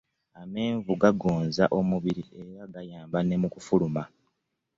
Amenvu gagonza omubiri era gayamba ne mu kufuluma.